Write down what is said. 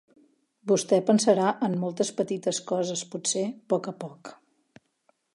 Vostè pensarà en moltes petites coses, potser, poc a poc.